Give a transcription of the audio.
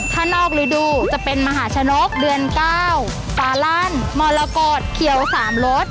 ถ้านอกฤดูจะเป็นมหาชนกเดือน๙ฟาลั่นมรกฏเขียว๓รส